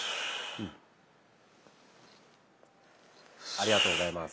ありがとうございます。